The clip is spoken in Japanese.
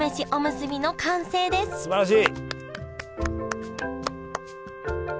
すばらしい！